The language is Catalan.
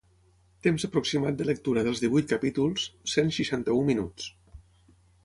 Temps aproximat de lectura dels divuit capítols: cent seixanta-u minuts.